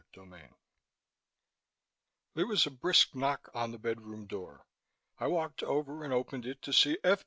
CHAPTER 20 There was a brisk knock on the bedroom door. I walked over and opened it, to see F.